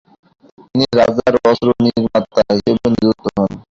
তিনি রাজার অস্ত্র নির্মাতা হিসেবে নিযুক্ত হন।